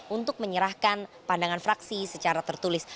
untuk menyerahkan pandangan fraksi secara tertulis